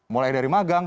mulai dari magang